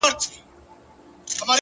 پوهه د انتخابونو کیفیت لوړوي؛